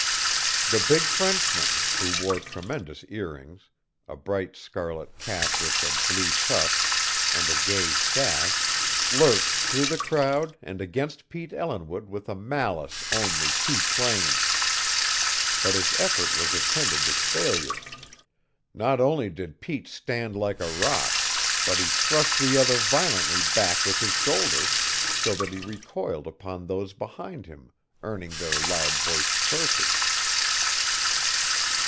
The big Frenchman, who wore tremendous earrings, a bright scarlet cap with a blue tuft, and a gay sash, lurched through the crowd and against Pete Ellinwood with a malice only too plain. But his effort was attended with failure. Not only did Pete stand like a rock, but he thrust the other violently back with his shoulder, so that he recoiled upon those behind him, earning their loud voiced curses.